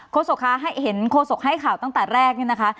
โคศกคะเค้าเห็นโคศกให้ข่าวตั้งแต่แรกนะคะ